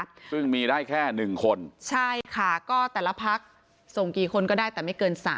ซึ่งมีได้แค่หนึ่งคนใช่ค่ะก็แต่ละพักส่งกี่คนก็ได้แต่ไม่เกินสาม